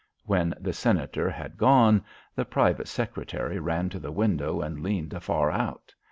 When the Senator had gone, the private secretary ran to the window and leaned afar out.